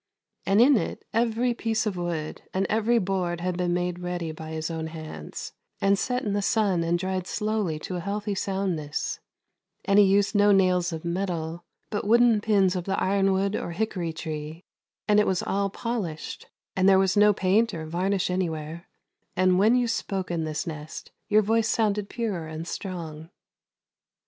And in it every piece of wood, and every board had been made ready by his own hands, and set in the sun and dried slowly to a healthy soundness ; and he used no nails of metal, but wooden pins of the ironwood or hickory tree, and it was all polished, and there was no paint or varnish anywhere, and when you spoke in this nest your voice sounded pure and strong.